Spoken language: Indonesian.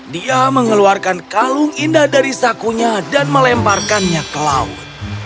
dia mengeluarkan kalung indah dari sakunya dan melemparkannya ke laut